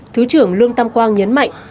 thứ trưởng lương tâm quang nhấn mạnh